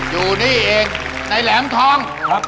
อยู่นี่เองในแหลมทอง